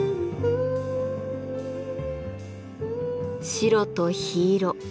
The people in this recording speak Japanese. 白と火色。